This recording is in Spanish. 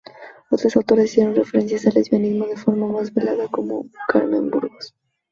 Otras autoras hicieron referencias al lesbianismo de forma más velada, como Carmen de Burgos.